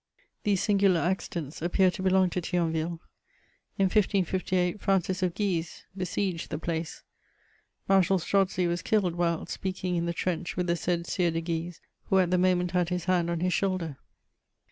These singular accidents appear to belong to Thionville : in 1558, Francis of Guise besieged the place ; Marshal Stroaci was killed while speaking in the trench with the said Sieur de Guise^ who at the moment had his hand on his shoulder.